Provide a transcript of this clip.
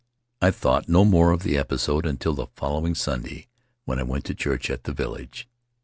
I thought no more of the episode until the following Sunday when I went to church at the village.